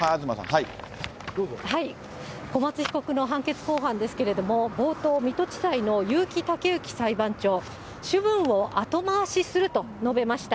小松被告の判決公判ですけど、冒頭、水戸地裁の結城剛行裁判長、主文を後回しすると述べました。